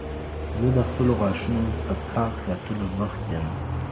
زه د خپلو غاښونو په پاک ساتلو بوخت یم.